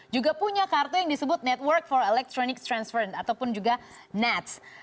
juga punya kartu yang disebut network for electronic transfer ataupun juga nets